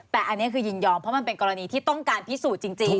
แต่อันนี้คือยินยอมเพราะมันเป็นกรณีที่ต้องการพิสูจน์จริง